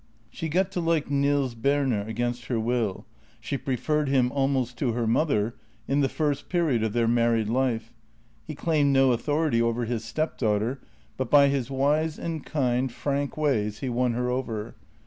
She got to like Nils Berner against her will; she preferred him almost to her mother in the first period of their married life. He claimed no authority over his step daughter, but by his wise and kind, frank ways he won her over.